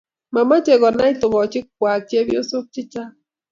Mamache konai tokochik kwai chepyosok chechang